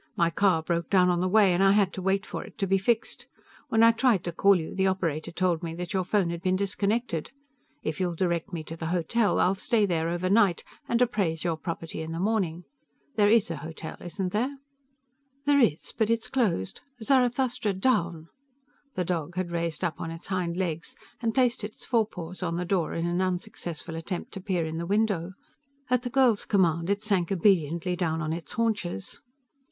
"My car broke down on the way, and I had to wait for it to be fixed. When I tried to call you, the operator told me that your phone had been disconnected. If you'll direct me to the hotel, I'll stay there overnight and appraise your property in the morning. There is a hotel, isn't there?" "There is but it's closed. Zarathustra down!" The dog had raised up on its hind legs and placed its forepaws on the door in an unsuccessful attempt to peer in the window. At the girl's command, it sank obediently down on its haunches.